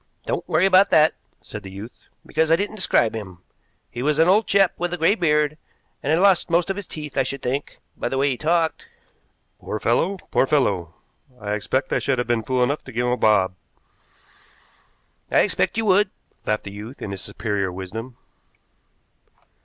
"Don't worry about that," said the youth, "because I didn't describe him. He was an old chap with a gray beard, and had lost most of his teeth, I should think, by the way he talked." "Poor fellow. Poor fellow! I expect I should have been fool enough to give him a bob." "I expect you would," laughed the youth, in his superior wisdom.